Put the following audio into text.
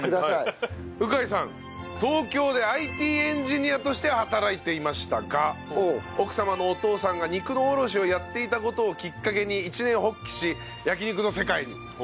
東京でＩＴエンジニアとして働いていましたが奥様のお父さんが肉の卸をやっていた事をきっかけに一念発起し焼肉の世界に。